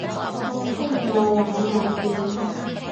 噢出現喇畫緊眼線！